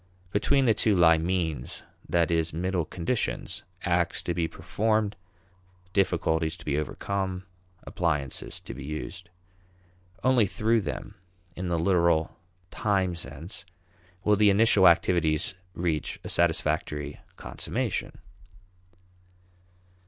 Between the two lie means that is middle conditions: acts to be performed; difficulties to be overcome; appliances to be used. Only through them, in the literal time sense, will the initial activities reach a satisfactory consummation.